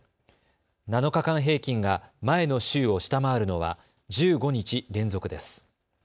７日間平均が前の週を下回るのは１５日連続です。